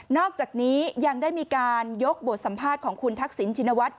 อกจากนี้ยังได้มีการยกบทสัมภาษณ์ของคุณทักษิณชินวัฒน